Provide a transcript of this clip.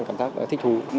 cảm giác thích thú